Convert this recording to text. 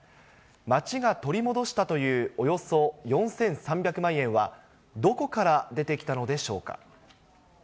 町が取り戻したというおよそ４３００万円は、どこから出てきたのでしょうか。